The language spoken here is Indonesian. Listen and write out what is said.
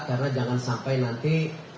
karena jangan sampai nanti